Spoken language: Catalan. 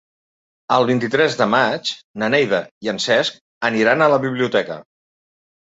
El vint-i-tres de maig na Neida i en Cesc aniran a la biblioteca.